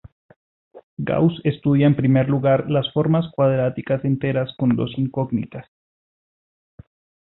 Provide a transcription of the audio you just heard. Gauss estudia en primer lugar las formas cuadráticas enteras con dos incógnitas.